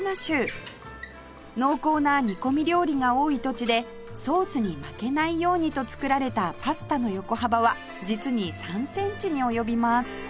濃厚な煮込み料理が多い土地でソースに負けないようにと作られたパスタの横幅は実に３センチに及びます